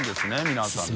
皆さんね。